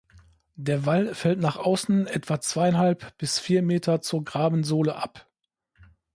Der Wall fällt nach außen etwa zweieinhalb bis vier Meter zur Grabensohle ab.